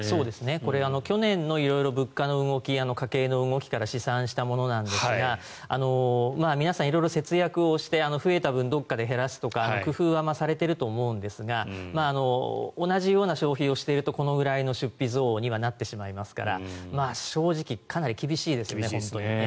これ、去年の色々な物価の動き家計の動きから試算したものなんですが皆さん、色々節約をして増えた分どこかで減らすとか工夫はされていると思うんですが同じような消費をしているとこのくらいの出費増にはなってしまいますから正直、かなり厳しいですよね。